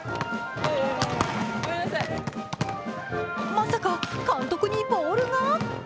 まさか監督にボールが？